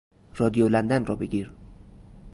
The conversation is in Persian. رادیو لندن را بگیر!